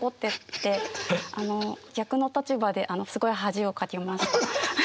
逆の立場ですごい恥をかきました。